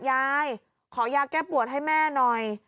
ยายขอยาแก้ปวดให้แม่หน่อย